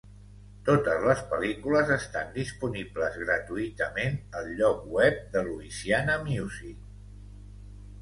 Totes les pel·lícules estan disponibles gratuïtament al lloc web de Louisiana Music.